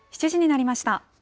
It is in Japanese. ７時になりました。